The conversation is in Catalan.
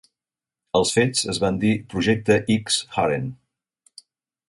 Els fets es van dir Projecte X Haren.